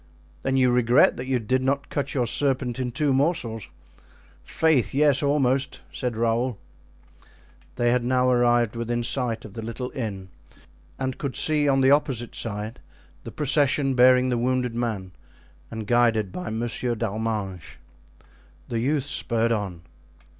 "Then you regret that you did not cut your serpent in two morsels?" "Faith, yes, almost," said Raoul. They had now arrived within sight of the little inn and could see on the opposite side the procession bearing the wounded man and guided by Monsieur d'Arminges. The youths spurred on.